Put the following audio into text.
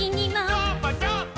どーもどーも。